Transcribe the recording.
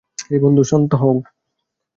হেই, বন্ধু, শান্ত হও!